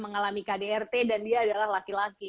mengalami kdrt dan dia adalah laki laki